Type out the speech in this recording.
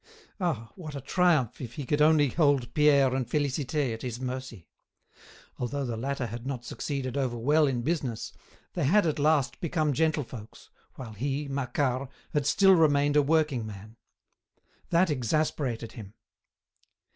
Ah, what a triumph if he could only hold Pierre and Félicité at his mercy! Although the latter had not succeeded over well in business, they had at last become gentlefolks, while he, Macquart, had still remained a working man. That exasperated him.